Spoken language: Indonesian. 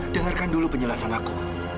dengarkan dulu penjelasan aku